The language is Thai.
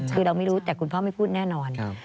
คือเราไม่รู้แต่คุณพ่อไม่พูดแน่นอน